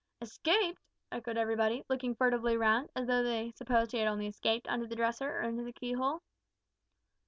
"Escaped!" echoed everybody, looking furtively round, as though they supposed he had only escaped under the dresser or into the keyhole.